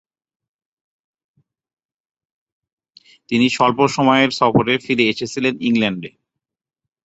তিনি স্বল্পসময়ের সফরে ফিরে এসেছিলেন ইংল্যান্ডে।